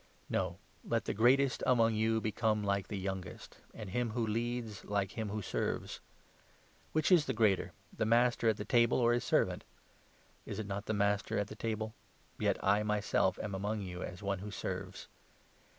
No, let the greatest among you become like the youngest, and him who leads like him who serves. Which is 27 the greater — the master at the table or his servant? Is not it the master at the table? Yet I myself am among you as one who serves.